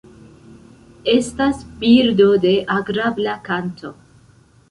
Estas birdo de agrabla kanto.